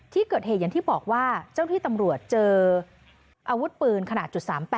ที่เกิดเหตุอย่างที่บอกว่าเจ้าที่ตำรวจเจออาวุธปืนขนาด๓๘